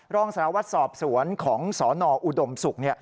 รองสารวัตรสอบสวนของสนอุดมศุกร์